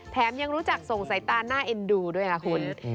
แถมยังรู้จักส่งใส่ตาหน้าเอ็นดูด้วยล่ะคุณ